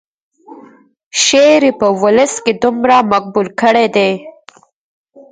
شعر یې په ولس کې دومره مقبول کړی دی.